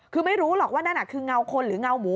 คือไม่รู้หรอกว่านั่นคือเงาคนหรือเงาหมู